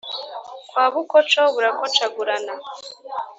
Kwa Bukoco barakocagurana